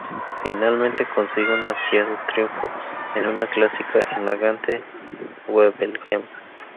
Finalmente consigue un ansiado triunfo en una clásica, en la Gante-Wevelgem.